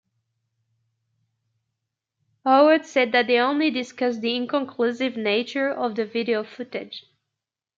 Howard said that they only discussed the inconclusive nature of the video footage.